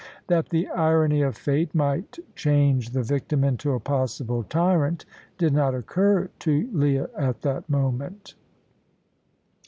That the irony of fate might change the victim into a possible tyrant did not occur to Leah at the moment.